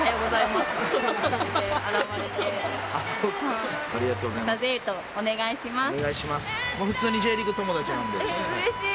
またお願いします。